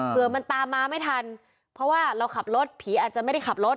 เพื่อมันตามมาไม่ทันเพราะว่าเราขับรถผีอาจจะไม่ได้ขับรถ